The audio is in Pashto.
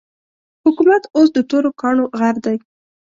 حکومت اوس د تورو کاڼو غر دی.